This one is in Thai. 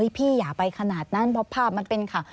พี่อย่าไปขนาดนั้นเพราะภาพมันเป็นข่าว